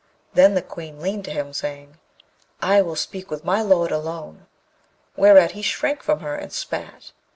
Then the Queen leaned to him, saying, 'I will speak with my lord alone'; whereat he shrank from her, and spat.